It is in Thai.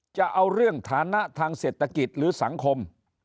จะเอาเรื่องฐานะทางเศรษฐกิจหรือสังคม